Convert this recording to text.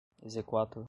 exequatur